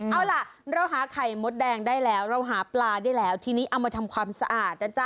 เอาล่ะเราหาไข่มดแดงได้แล้วเราหาปลาได้แล้วทีนี้เอามาทำความสะอาดนะจ๊ะ